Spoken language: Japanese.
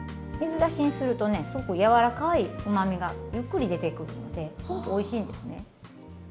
水出しにするとねすごく柔らかいうまみがゆっくり出てくるのですごくおいしいんですね。